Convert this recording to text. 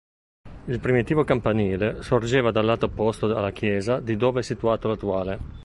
Il primitivo campanile sorgeva dal lato opposto alla chiesa di dove è situato l'attuale.